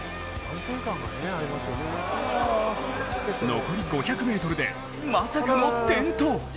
残り５００ｍでまさかの転倒。